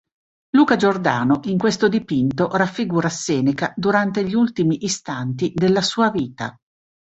Luca Giordano in questo dipinto raffigura Seneca durante gli ultimi istanti della sua vita.